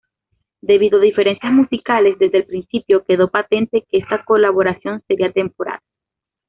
Debido a diferencias musicales, desde el principio quedó patente que esta colaboración sería temporal.